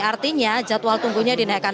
artinya jadwal tunggunya dinaikkan